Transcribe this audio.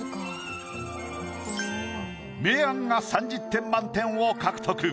明暗が３０点満点を獲得。